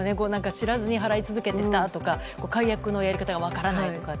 知らずに払い続けていたとか解約のやり方が分からないとか。